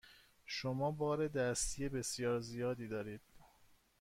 شما بار دستی بسیار زیادی دارید.